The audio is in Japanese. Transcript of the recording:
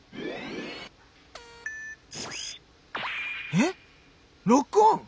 えっロックオン！